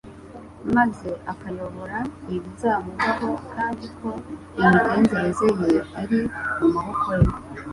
maze akayobora ibizamubaho kandi ko imigenzereze ye iri mu maboko ye.